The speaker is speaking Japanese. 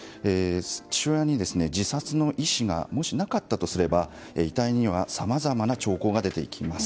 父親に自殺の意思がもしなかったとすれば遺体にはさまざまな兆候が出てきます。